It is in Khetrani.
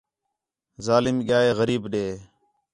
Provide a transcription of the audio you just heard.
ظالم ڳیا ہِے غریب ݙے